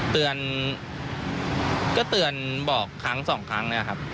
เตือนก็เตือนบอกครั้งสองครั้งเนี่ยครับ